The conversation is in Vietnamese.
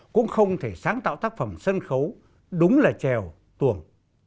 cũng không thể sáng tạo tác phẩm sân khấu đúng là trèo tuồng